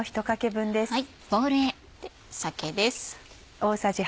酒です。